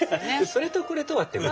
それとこれとはっていうね。